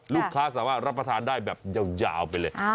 ลูกค้าสามารถรับประทานได้แบบยาวไปเลย